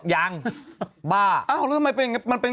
ยังบ้าเอ้าเรื่องมันเป็นหวานไก่เหรอ